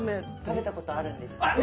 食べたことあるんですけど。